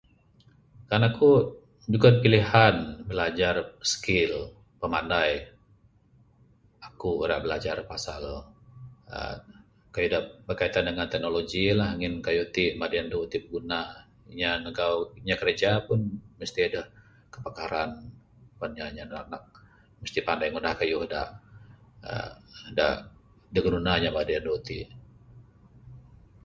Kan aku nyugon pilihan bilajar skill pimanai aku ra bilajar pasal uhh kayuh da berkaitan dangan teknologi la ngin kayuh ti madi anu itin pun tunah inya magau inya kerja pun mesti adeh kepakaran [unintelligible] mesti adeh panai ngunah kayuh da da ginuna inya madi anu iti.